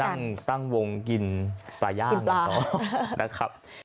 แล้วก็ไปตั้งวงกินปลาย่างนะครับ